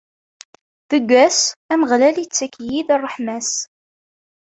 Deg wass, Ameɣlal ittak-iyi-d ṛṛeḥma-s.